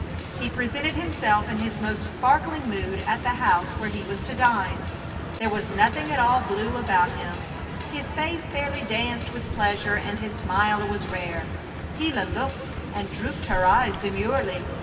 He presented himself in his most sparkling mood at the house where he was to dine. There was nothing at all blue about him. His eyes fairly danced with pleasure and his smile was rare. Gila looked and drooped her eyes demurely.